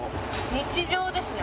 日常ですね。